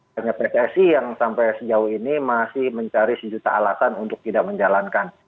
karena pssi yang sampai sejauh ini masih mencari sejuta alatan untuk tidak menjalankan